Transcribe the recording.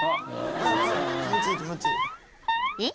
［えっ？